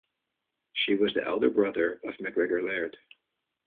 He was the elder brother of Macgregor Laird.